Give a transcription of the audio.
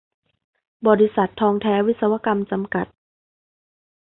บริษัท ทองแท้วิศวกรรม จำกัด